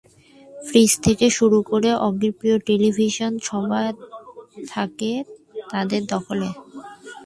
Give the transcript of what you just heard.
Fridge থেকে শুরু করে অগির প্রিয় টেলিভিশন, সবই থাকে তাদের দখলে।